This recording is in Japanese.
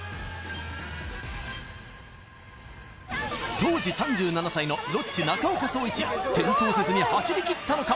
当時３７歳のロッチ中岡創一転倒せずに走り切ったのか？